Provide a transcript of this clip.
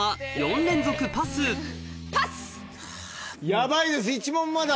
ヤバいです１問もまだ。